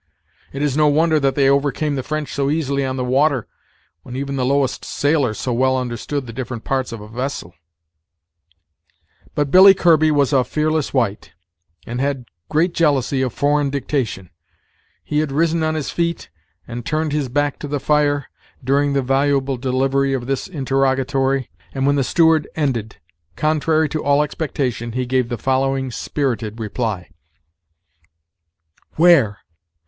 It is no wonder that they overcame the French so easily on the water, when even the lowest sailor so well understood the different parts of a vessel." But Billy Kirby was a fearless wight, and had great jealousy of foreign dictation; he had risen on his feet, and turned his back to the fire, during the voluble delivery of this interrogatory; and when the steward ended, contrary to all expectation, he gave the following spirited reply: "Where!